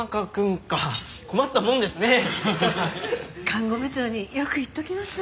看護部長によく言っておきます。